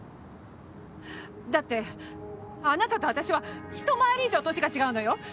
だって、あなたと私はひと回り以上年が違うのよ？